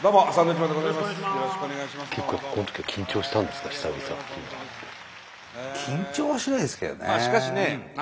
しかしね